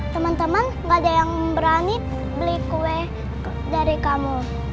teman teman nggak ada yang berani beli kue dari kamu